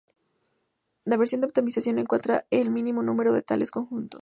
La versión de optimización encuentra el mínimo número de tales conjuntos.